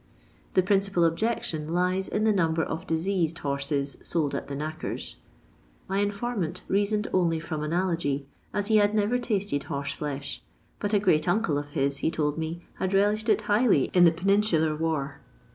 The principal objection lies in the number of diseased horses sold at the knackers. My informant rea^ soned only from analogy, as he had never tisted horse flesh ; but a great uncle of his, he told me, had relished it highly in the peninsular war.